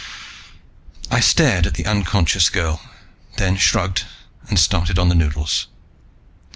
I stared at the unconscious girl, then shrugged and started on the noodles.